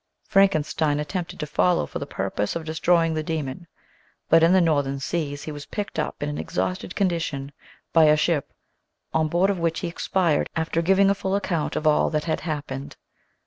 Frankenstein attempted to follow for the pur pose of destroying the demon, but in the northern seas he was picked up in an exhausted condition by a ship on board of which he expired after giving a full account of all that had happened.